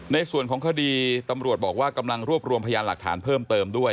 ในส่วนของคดีตำรวจบอกว่ากำลังรวบรวมพยานหลักฐานเพิ่มเติมด้วย